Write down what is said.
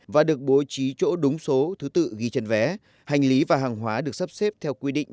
và được bố trí chỗ đúng số thứ tự ghi trên vé hành lý và hàng hóa được sắp xếp theo quy định